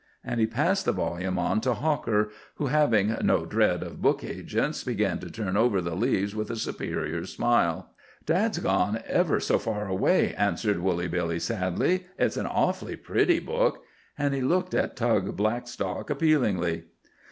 And he passed the volume on to Hawker, who, having no dread of book agents, began to turn over the leaves with a superior smile. "Dad's gone away ever so far," answered Woolly Billy sadly. "It's an awfully pretty book." And he looked at Tug Blackstock appealingly.